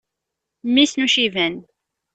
Mmi-s n uciban.